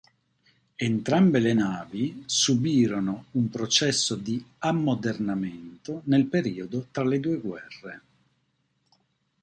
Entrambe le navi subirono un processo di ammodernamento nel periodo tra le due guerre.